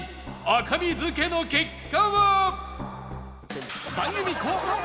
赤身漬けの結果は？